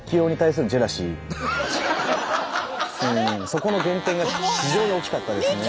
そこの減点が非常に大きかったですね。